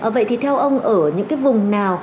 vậy thì theo ông ở những cái vùng nào